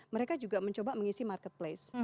mereka juga mencoba mengisi marketplace